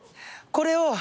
これを。